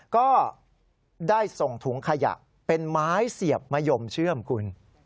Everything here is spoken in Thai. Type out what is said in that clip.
ก็ได้ส่งถุงขยะเป็นไม้เสียบมะยมเชื่อมคุณ